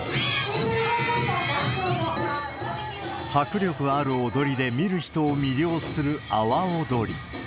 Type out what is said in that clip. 迫力ある踊りで見る人を魅了する阿波踊り。